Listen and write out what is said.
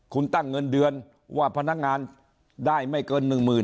คุณตั้งเงินเดือนว่าพนักงานได้ไม่เกิน๑๐๐๐